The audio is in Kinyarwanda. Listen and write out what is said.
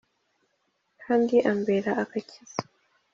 Kandi ambera agakiza